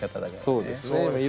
そうですね